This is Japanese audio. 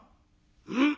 「うん。